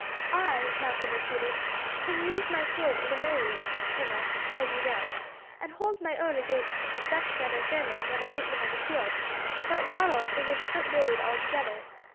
"I," Malcolm repeated "I can use my sword in a melee, colonel, as you know, and hold my own against Dutchman or German when I meet them on the field; but Ronald is a different blade altogether.